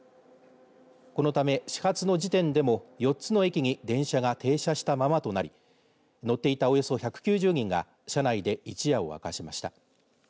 このため、始発の時点でも４つの駅に電車が停止したままとなり乗っていたおよそ１９０人が車内で一夜を明かしました。